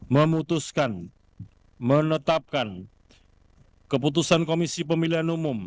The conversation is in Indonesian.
memutuskan menetapkan keputusan komisi pemilihan umum